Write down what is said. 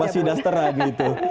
masih daster aja gitu